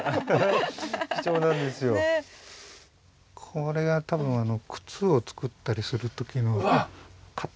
これは多分靴を作ったりする時の型。